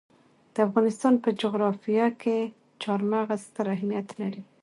د افغانستان په جغرافیه کې چار مغز ستر اهمیت لري.